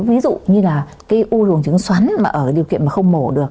ví dụ như là u năng buồng trứng xoắn mà ở điều kiện không mổ được